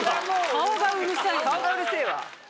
顔がうるせぇわ。